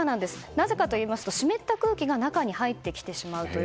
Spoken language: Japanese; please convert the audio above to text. なぜかというと湿った空気が中に入ってきてしまうと。